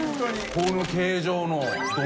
この形状の丼。